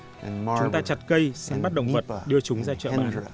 chúng ta chặt cây xem bắt động vật đưa chúng ra chợ bán